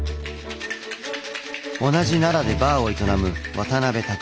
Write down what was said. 同じ奈良でバーを営む渡邉匠さん。